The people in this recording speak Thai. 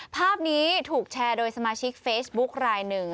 ภาพนี้ถูกแชร์โดยสมาชิกเฟซบุ๊คลายหนึ่ง